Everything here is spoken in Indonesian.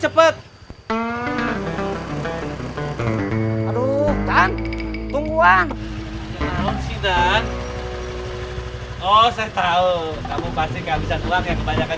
cepet aduh kan tungguan sidang oh saya tahu kamu pasti nggak bisa uang ya kebanyakan